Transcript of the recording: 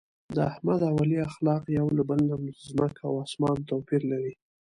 د احمد او علي اخلاق یو له بل نه ځمکه او اسمان توپیر لري.